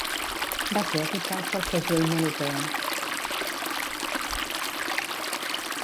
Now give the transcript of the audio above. Va ser editat pel segell Melopea.